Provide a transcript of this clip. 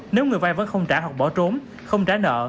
nếu người vay vẫn không trả hoặc bỏ trốn không trả nợ